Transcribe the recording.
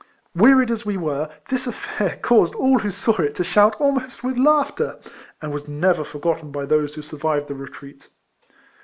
Wearied as we were, this aifair caused all who saw it to shout almost with laughter, and was never forgotten by those who sur vived the retreat.